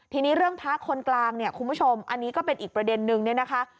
ทีนี้เรื่องพระคนกลางเนี่ยคุณผู้ชมอันนี้ก็เป็นอีกประเด็นนึงเนี่ยนะคะ